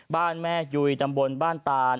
บ้านแม่ยุยตำบลบ้านตาน